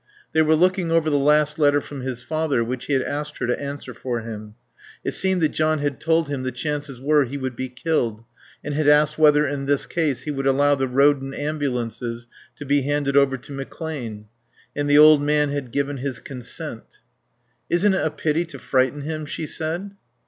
They were looking over the last letter from his father which he had asked her to answer for him. It seemed that John had told him the chances were he would be killed and had asked him whether in this case he would allow the Roden ambulances to be handed over to McClane. And the old man had given his consent. "Isn't it a pity to frighten him?" she said.